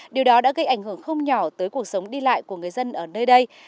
điều đó đã gây ảnh hưởng không nhỏ tới cuộc sống đi lại của người dân ở nơi đây